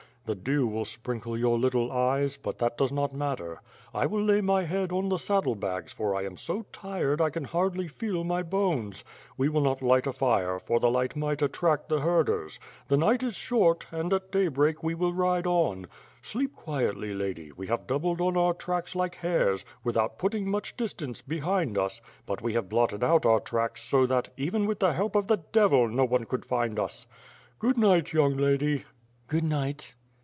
The dew will sprinkle your little eyes, but that does not matter. I will lay my head on the saddle bags for I am so tired I can hardly feel my bones. We will not light a fire, for the light might attract the herders. The night is short, and at daybreak we will ride on. Sleep quietly, lady, we have doubled on our tracks like hares, without putting much distance behind us, but we have blotted out our tracks so that, even with the help of the devil, no one could find us. Good night, young lady." "Good night."